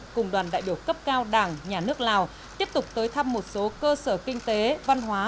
cùng đoàn đại biểu cấp cao đảng nhà nước lào tiếp tục tới thăm một số cơ sở kinh tế văn hóa